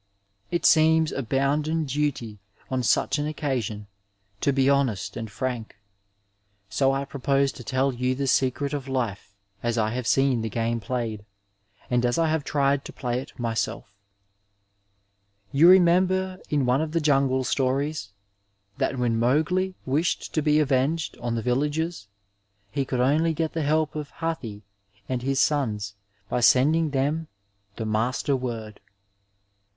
It seems a bounden duty on such an occasion to be honest and frank, so I propose to tell you the secret of life as I have seen the game played, and as I have tried to play it myself. You remember in one of the Jungle Stories that when Mowgli wished to be avenged on the villagers he could only get the help of Hathi and his sons by sending them the master word.